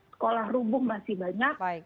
sekolah rumbung masih banyak